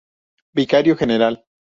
Vicario general.